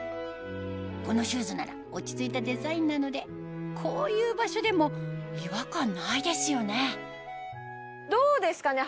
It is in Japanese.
このシューズなら落ち着いたデザインなのでこういう場所でも違和感ないですよねどうですかね？